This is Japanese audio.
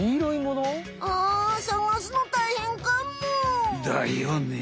あさがすのたいへんかも。だよね。